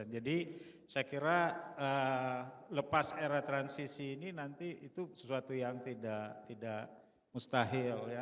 jadi saya kira lepas era transisi ini nanti itu sesuatu yang tidak mustahil